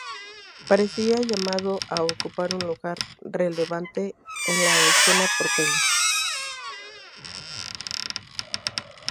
Parecía llamado a ocupar un lugar relevante en la escena porteña.